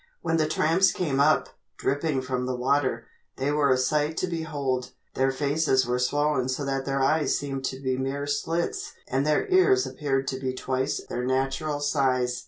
When the tramps came up, dripping from the water, they were a sight to behold. Their faces were swollen so that their eyes seemed to be mere slits and their ears appeared to be twice their natural size.